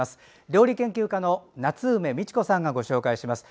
料理研究家の夏梅美智子さんがご紹介します。